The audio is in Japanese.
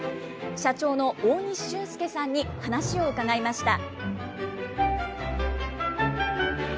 社長の大西俊輔さんに話を伺いました。